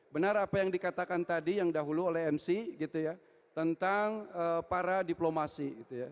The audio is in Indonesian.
benar apa yang dikatakan tadi yang dahulu oleh mc gitu ya tentang para diplomasi